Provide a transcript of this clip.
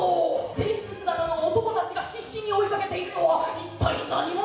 「制服姿の男たちが必死に追いかけているのは一体何者？」